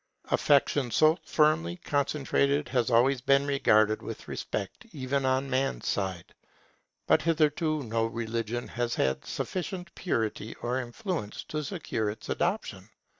Affection so firmly concentrated has always been regarded with respect even on man's side. But hitherto no religion has had sufficient purity or influence to secure its adoption.